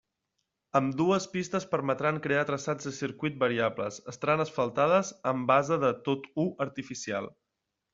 Ambdues pistes permetran crear traçats de circuit variables, estaran asfaltades amb base de tot-u artificial.